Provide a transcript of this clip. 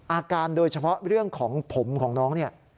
อาการโดยเฉพาะเรื่องของผมของน้องเนี่ย